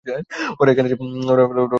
ওরা এখানে আছে।